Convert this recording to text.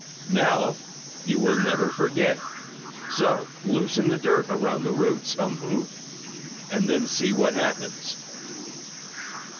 Now you will never forget. So loosen the dirt around the roots, Umboo, and then see what happens."